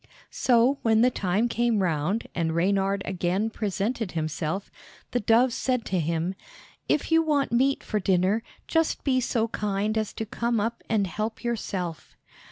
So when the time came round and Reynard again presented himself, the dove said to him, "If you want meat for dinner, just be so kind as to come up and help yourself."